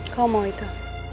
kau mau itu